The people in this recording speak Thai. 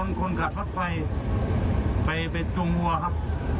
นี่ทุกคนคนขัดรถไฟไปไปจงหัวครับ